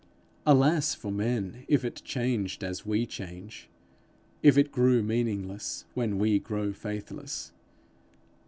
Alas for men, if it changed as we change, if it grew meaningless when we grow faithless!